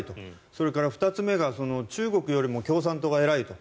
それから２つ目が中国よりも共産党が偉いと。